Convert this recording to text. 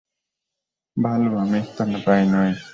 ভালো, আমি স্তন্যপায়ী নই।